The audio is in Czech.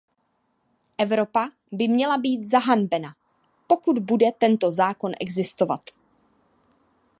Evropa by měla být zahanbena, pokud bude tento zákon existovat.